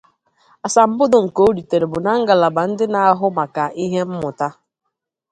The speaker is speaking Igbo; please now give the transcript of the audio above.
Asambodo nke oritere bụ na ngalaba ndi na ahụ maka ihe mmụta.